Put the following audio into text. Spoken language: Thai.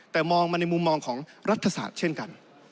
แต่มองมาในมุมมองของรัฐศาสตร์เช่นกัน